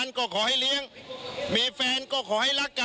ชูเว็ดตีแสดหน้า